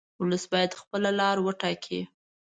ولس باید خپله لار وټاکي.